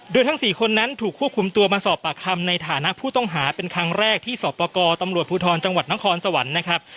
โดยทั้ง๔คนนั้นถูกควบคุมตัวมาสอบปากคำในฐานะผู้ต้องหาเป็นครั้งแรกที่สอบประกอบตำรวจภูทรจังหวัดนครสวรรค์นะครับ